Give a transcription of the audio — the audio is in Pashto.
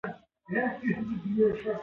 ما ستا په حق کې ډېره بدي کړى.